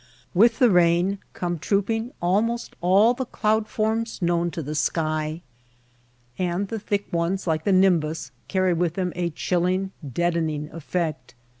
With the rain come trooping almost all the cloud forms known to the sky. And the thick ones like the nimbus carry with them a chilling, deadening effect.